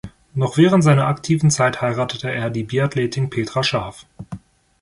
Noch während seiner aktiven Zeit heiratete er die Biathletin Petra Schaaf.